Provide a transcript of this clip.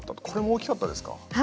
これも大きかったですか？